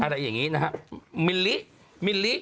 อะไรอย่างนี้นะครับมิลลิ